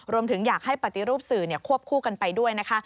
รวมถึงอยากให้ปฏิรูปสื่อควบคู่กันไปด้วยนะคะ